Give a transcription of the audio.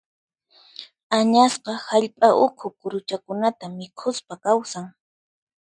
Añasqa hallp'a ukhu kuruchakunata mikhuspa kawsan.